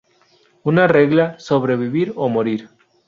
Una regla: sobrevivir o morir.